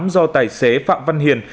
do tài xế phạm văn hiền